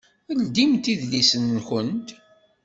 Ldimt idlisen-nkent!